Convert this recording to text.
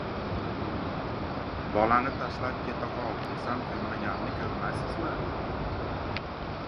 Bolani tashlab ketaqol, desam ko‘nmaganini ko‘rmaysizmi?